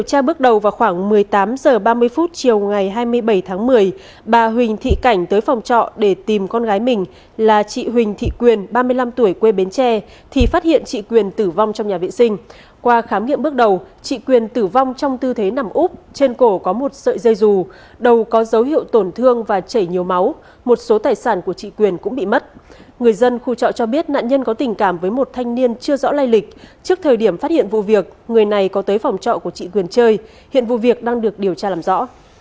các nạn nhân có tình cảm với một thanh niên chưa rõ lai lịch trước thời điểm phát hiện vụ việc người này có tới phòng trọ của chị quyền trời hiện vụ việc đang được điều tra làm rõ